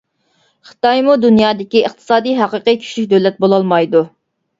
خىتايمۇ دۇنيادىكى ئىقتىسادىي ھەقىقىي كۈچلۈك دۆلەت بولالمايدۇ.